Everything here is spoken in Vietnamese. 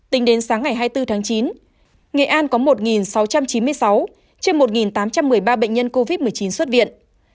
tính đến sáng ngày hai mươi bốn tháng chín nghệ an có một sáu trăm chín mươi sáu trên một tám trăm một mươi ba bệnh nhân covid một mươi chín xuất viện